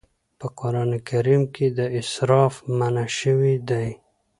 په قرآن کريم کې اسراف منع شوی دی.